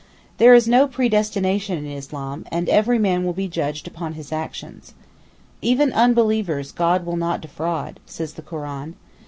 There is no predestination in Islam, and every man will be judged upon his actions. 'Even unbelievers God will not defraud,' says the Koran.